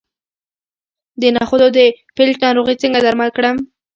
د نخودو د پیلټ ناروغي څنګه درمل کړم؟